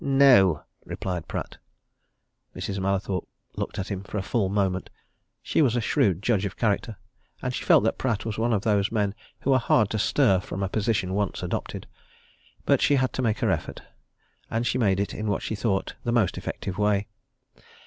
"No!" replied Pratt. Mrs. Mallathorpe looked at him for a full moment. She was a shrewd judge of character, and she felt that Pratt was one of those men who are hard to stir from a position once adopted. But she had to make her effort and she made it in what she thought the most effective way.